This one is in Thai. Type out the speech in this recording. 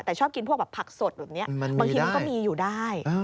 แต่ชอบกินพวกผักสดบางทีมันก็มีอยู่ได้